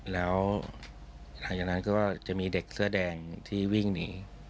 แล้วหลังจากนั้นก็จะมีเด็กเสื้อแดงที่วิ่งหนี